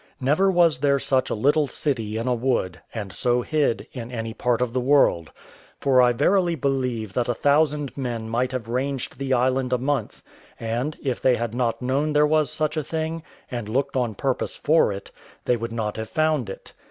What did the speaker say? Never was there such a little city in a wood, and so hid, in any part of the world; for I verify believe that a thousand men might have ranged the island a month, and, if they had not known there was such a thing, and looked on purpose for it, they would not have found it.